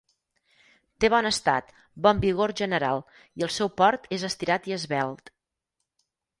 Té bon estat, bon vigor general i el seu port és estirat i esvelt.